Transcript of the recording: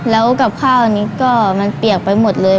แล้วกับข้าวนี้ก็มันเปียกไปหมดเลย